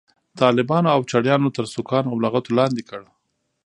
طالبانو او چړیانو تر سوکانو او لغتو لاندې کړ.